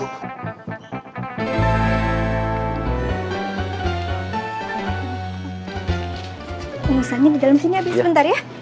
umusannya di dalam sini abi sebentar ya